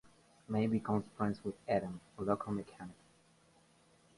May becomes friends with Adam, a local mechanic.